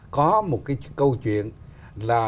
có một cái câu chuyện là